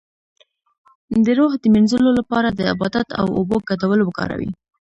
د روح د مینځلو لپاره د عبادت او اوبو ګډول وکاروئ